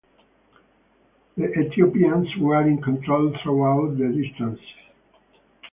The Ethiopians were in control throughout the distance.